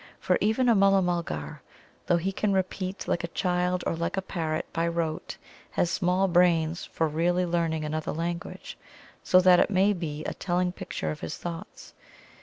For even a Mulla mulgar, though he can repeat like a child, or like a parrot, by rote, has small brains for really learning another language, so that it may be a telling picture of his thoughts.